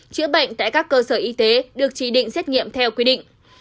chữa bệnh tại các cơ sở y tế được chỉ định xét nghiệm theo quy định